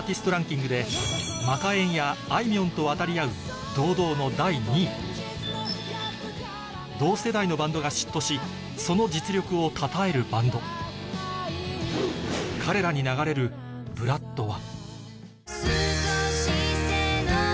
あいみょんと渡り合う堂々の第２位同世代のバンドが嫉妬しその実力をたたえるバンド彼らに流れる ＢＬＯＯＤ は？